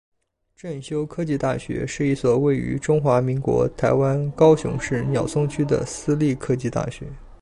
正修科技大学是一所位于中华民国台湾高雄市鸟松区的私立科技大学。